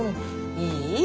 いい？